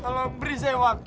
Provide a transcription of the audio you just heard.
tolong beri saya waktu pak